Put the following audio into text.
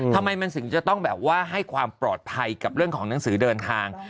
ทำไมมันถึงจะต้องแบบว่าให้ความปลอดภัยกับเรื่องของหนังสือเดินทาง